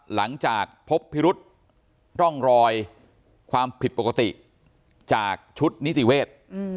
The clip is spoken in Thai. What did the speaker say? หลังจากพบพิรุษร่องรอยความผิดปกติจากชุดนิติเวทย์